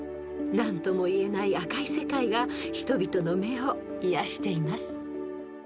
［何とも言えない赤い世界が人々の目を癒やしています］